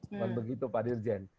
bukan begitu pak dirjen